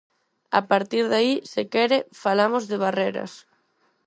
A partir de aí, se quere, falamos de Barreras.